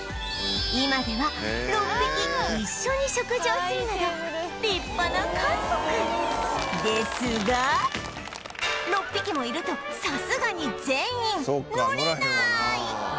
今では６匹一緒に食事をするなど立派な家族ですが６匹もいるとさすがに全員乗れない